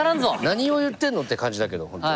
何を言ってんの？って感じだけど本当。